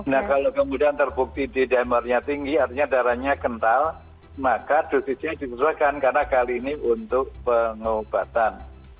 nah kalau kemudian terbukti d dimernya tinggi artinya darahnya kental maka dosisnya disesuaikan karena kali ini untuk pengobatan